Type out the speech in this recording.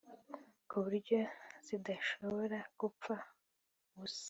ku buryo zidashobora gupfa ubusa